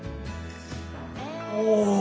お！